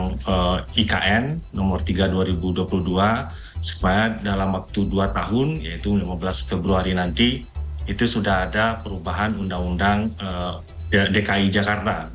undang undang ikn nomor tiga dua ribu dua puluh dua supaya dalam waktu dua tahun yaitu lima belas februari nanti itu sudah ada perubahan undang undang dki jakarta